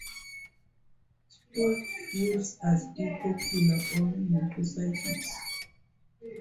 Spoked wheels are still popular on motorcycles.